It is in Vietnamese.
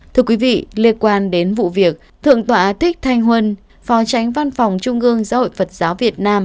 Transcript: thưa quý vị liên quan đến vụ việc thượng tọa thích thanh huân phó tránh văn phòng trung ương giáo hội phật giáo việt nam